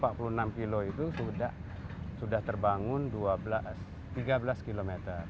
empat puluh enam km itu sudah terbangun tiga belas km